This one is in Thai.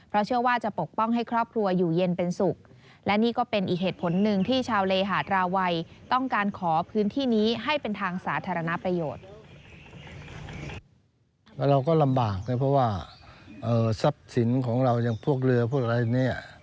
เราก็ลำบากนะเพราะว่าทรัพย์สินของเราอย่างพวกเรือพวกอะไรอย่างนี้